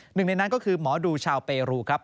หนึ่งในนั้นก็คือหมอดูชาวเปรูครับ